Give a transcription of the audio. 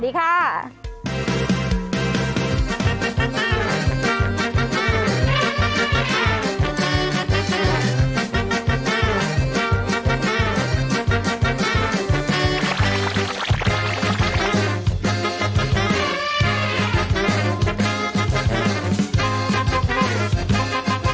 สวัสดีค่ะ